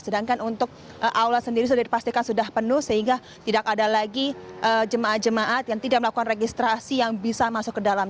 sedangkan untuk aula sendiri sudah dipastikan sudah penuh sehingga tidak ada lagi jemaat jemaat yang tidak melakukan registrasi yang bisa masuk ke dalam